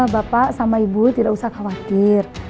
bapak sama ibu tidak usah khawatir